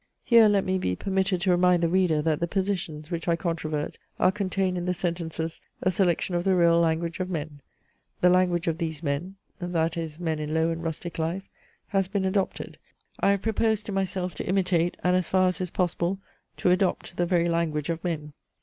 Here let me be permitted to remind the reader, that the positions, which I controvert, are contained in the sentences "a selection of the real language of men;" "the language of these men" (that is, men in low and rustic life) "has been adopted; I have proposed to myself to imitate, and, as far as is possible, to adopt the very language of men."